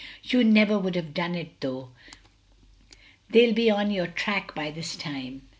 "You never would have done it, though; they'll be on your track by this time."